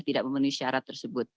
tidak memenuhi syarat tersebut